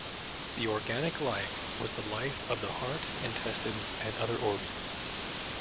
The organic life was the life of the heart, intestines, and other organs.